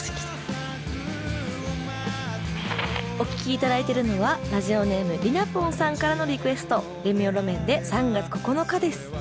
お聴き頂いてるのはラジオネームリナポンさんからのリクエストレミオロメンで「３月９日」です。